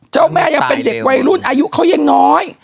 เจ้าแม่ยังเป็นเด็กวัยรุ่นอายุเขายังน้อย